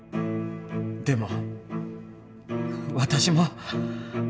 でも私も。